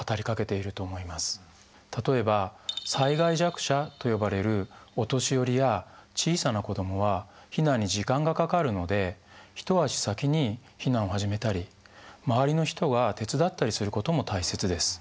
例えば災害弱者と呼ばれるお年寄りや小さな子どもは避難に時間がかかるので一足先に避難を始めたり周りの人が手伝ったりすることも大切です。